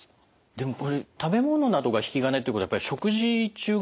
でもこれ食べ物などが引き金ってことはやっぱり食事中が多いんですか？